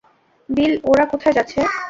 বিল, ওরা কোথায় যাচ্ছে?